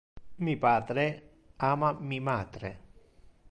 Mi patre ama mi matre.